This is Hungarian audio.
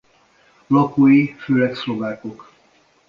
Lakói főleg szlovákok.